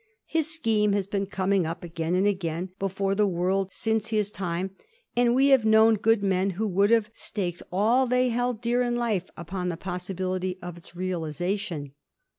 His scheme has been coming up again and again before the world since his time ; and we have known good men who would have staked all they held dear in life upon the possibility of its realisation.